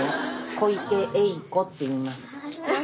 小池栄子って言います。